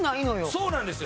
そうなんですよ。